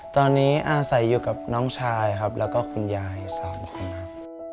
ตอนนี้อาศัยอยู่กับน้องชายครับแล้วก็คุณยาย๓คนครับ